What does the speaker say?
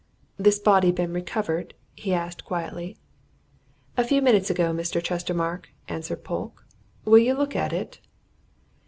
"This body been recovered?" he asked quietly. "A few minutes ago, Mr. Chestermarke," answered Polke. "Will you look at it?"